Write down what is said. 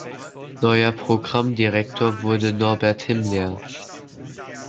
Neuer Programmdirektor wurde Norbert Himmler.